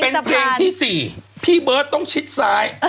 เป็นเพลงที่๔พี่เบิร์ตต้องชิดซ้าย